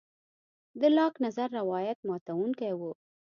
د لاک نظر روایت ماتوونکی و.